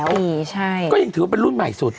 ก็ยังถือว่าเป็นรุ่นใหม่สุด